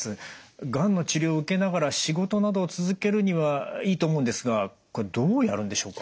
がんの治療を受けながら仕事などを続けるにはいいと思うんですがこれどうやるんでしょうか？